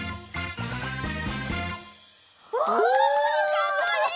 かっこいい！